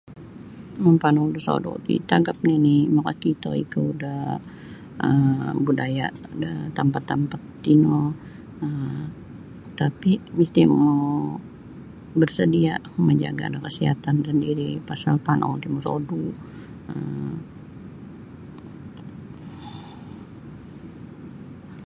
Mampanau da sodu ti tagap nini makakito ikau da um budaya da tampat-tampat tino um tapi misti mau barsedia mijaga da kasiatan sendiri pasal panau ti mosodu um.